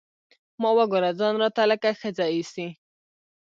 ما وګوره ځان راته لکه ښځه ايسي.